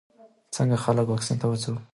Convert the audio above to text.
څنګه خلک واکسین ته وهڅوو؟